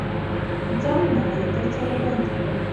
ځان نړۍ ته څرګند کړ.